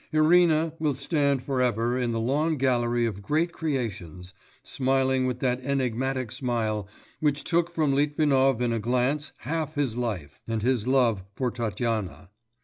Irina will stand for ever in the long gallery of great creations, smiling with that enigmatical smile which took from Litvinov in a glance half his life, and his love for Tatyana.